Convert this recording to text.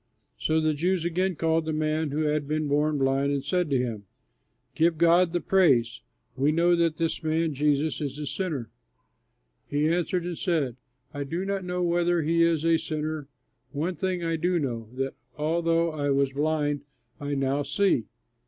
So the Jews again called the man who had been born blind, and said to him, "Give God the praise; we know that this man Jesus is a sinner." He answered and said, "I do not know whether he is a sinner; one thing I do know, that, although I was blind, I now see."